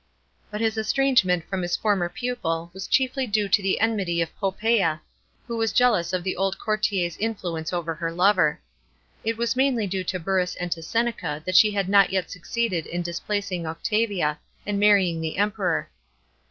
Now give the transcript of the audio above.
But his estrangement from his former pupil was chiefly due to the enmity of Poppasa, who was jealous of the old courtier's influence over her lover. It was mainly due to Burrus and to Seneca that she had not yet succeeded in dis placing Octavia, and marrying the Emperor.